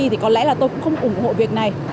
thì có lẽ là tôi cũng không ủng hộ việc này